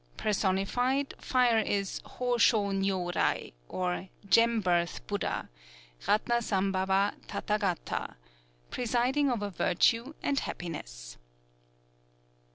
Personified, Fire is Hō shō Nyōrai, or "Gem Birth" Buddha (Ratnasambhava Tathâgata), presiding over virtue and happiness.